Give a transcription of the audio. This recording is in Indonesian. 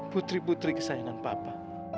putri putri kesayangan papa